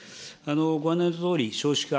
ご案内のとおり、少子化、